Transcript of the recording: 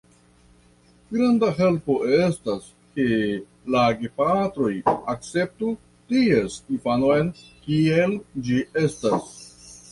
Granda helpo estas, ke la gepatroj akceptu ties infanon, kiel ĝi estas.